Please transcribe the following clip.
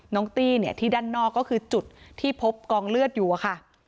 ตี้เนี่ยที่ด้านนอกก็คือจุดที่พบกองเลือดอยู่อะค่ะ